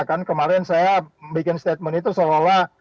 kan kemarin saya bikin statement itu seolah olah